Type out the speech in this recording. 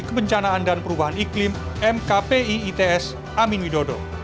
kebencanaan dan perubahan iklim mkpi its amin widodo